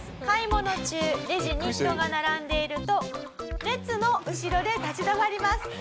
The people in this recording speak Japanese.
買い物中レジに人が並んでいると列の後ろで立ち止まります。